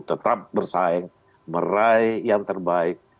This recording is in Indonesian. tetap bersaing meraih yang terbaik